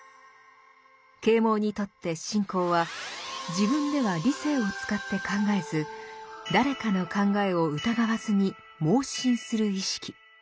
「啓蒙」にとって「信仰」は自分では理性を使って考えず誰かの考えを疑わずに妄信する意識。